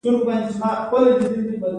بیا ځلي بحران رارسېږي او دوره تکرارېږي